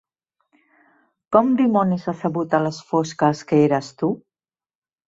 Com dimonis ha sabut a les fosques que eres tu?